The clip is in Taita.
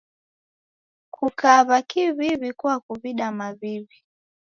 Kukaw'a kiw'iw'i kuakuw'ida maw'iw'i.